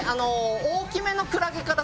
大きめのクラゲから？